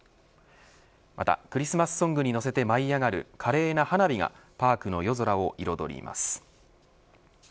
またクリスマスソングにのせて舞い上がる華麗な花火がパークの夜空を彩ります。